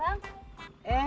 orang lagi kesal senang